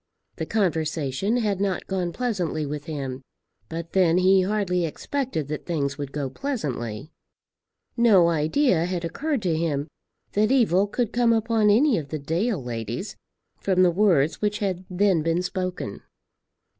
The conversation had not gone pleasantly with him; but then he hardly expected that things would go pleasantly. No idea had occurred to him that evil could come upon any of the Dale ladies from the words which had then been spoken.